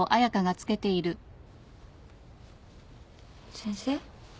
先生。